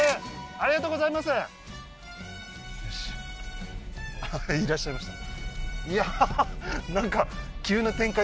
ありがとうございますよしああーいらっしゃいました